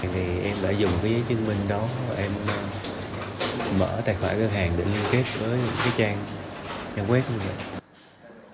thì em đã dùng giấy chứng minh đó và em mở tài khoản ngân hàng để liên kết với trang web